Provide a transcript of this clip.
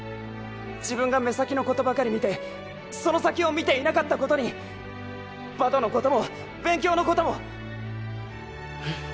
自分が目先のことばかり見てその先を見ていなかったことにバドのことも勉強のことも。